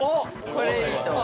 これ、いいと思う。